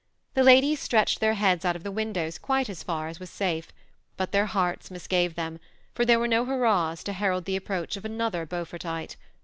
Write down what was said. The ladies stretched their heads out of the windows quite as &r as was safe ; but their hearts misgave them, for there were no hurrahs to herald the approach of another Beaufortite.